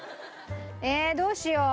えどうしよう。